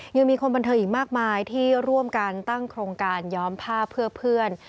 ยังมีคนบันเทิงอีกมากมายที่ร่วมกันตั้งโครงการย้อมผ้าเพื่อเพื่อน